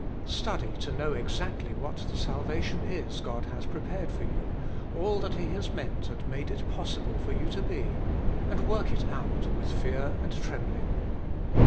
Study to know exactly ] what the salvation is God has prepared for you, all that He has meant and made it J possible for you to be, and work it out with I fear and trembling.